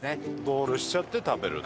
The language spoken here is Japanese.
ゴールしちゃって食べる。